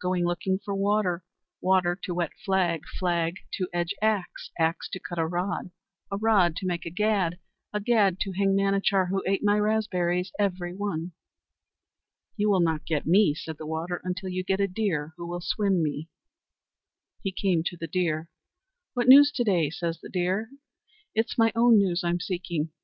Going looking for water, water to wet flag, flag to edge axe, axe to cut a rod, a rod to make a gad, a gad to hang Manachar, who ate my raspberries every one." "You will not get me," said the water, "until you get a deer who will swim me." He came to the deer "What news to day?" says the deer. "It's my own news I'm seeking.